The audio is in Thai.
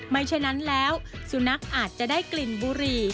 ฉะนั้นแล้วสุนัขอาจจะได้กลิ่นบุหรี่